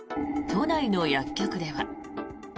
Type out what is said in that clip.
都内の薬局では。